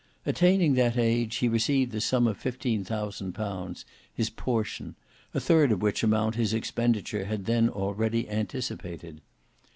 Attaining that age, he received the sum of fifteen thousand pounds, his portion, a third of which amount his expenditure had then already anticipated.